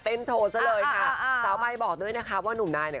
มันก็มีหลายคำไม่ได้เรียกแค่คำนี้